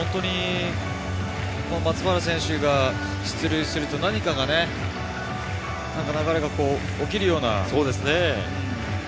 この松原選手が出塁すると何か流れが起きるような。